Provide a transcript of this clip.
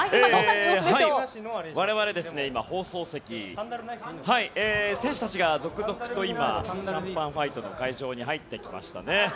我々、放送席選手たちが続々と今、シャンパンファイトの会場に入ってきましたね。